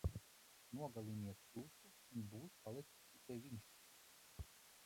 Nogaliniet čūsku un būs palicis tikai viņš!